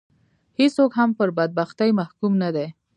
هېڅوک هم پر بدبختي محکوم نه دي.